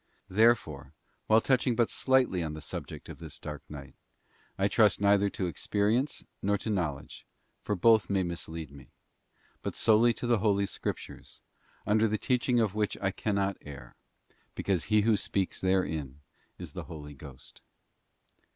Therefore, while touching but ~ slightly on the subject of this dark night, I trust neither to _ experience nor to knowledge, for both may mislead me; but solely to the Holy Scriptures, under "the teaching of which I cannot err, because he who speaks therein is the Holy Ghost.